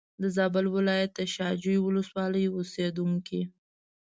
د زابل ولایت د شا جوی ولسوالۍ اوسېدونکی.